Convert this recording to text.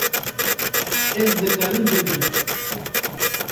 Ez dikarim bibînim